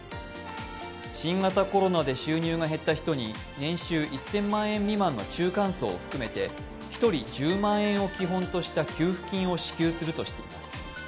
新型コロナで収入が減った人に年収１０００万円未満の中間層を含めて一人１０万円を基本とした給付金を支給するとしています。